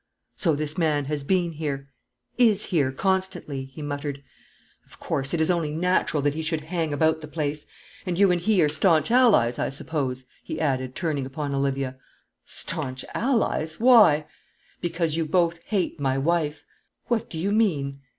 "So this man has been here, is here constantly," he muttered. "Of course, it is only natural that he should hang about the place. And you and he are stanch allies, I suppose?" he added, turning upon Olivia. "Stanch allies! Why?" "Because you both hate my wife." "What do you mean?"